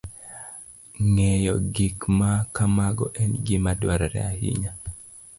Ng'eyo gik ma kamago en gima dwarore ahinya.